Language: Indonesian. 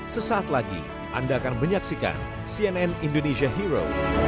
sesaat lagi anda akan menyaksikan cnn indonesia hero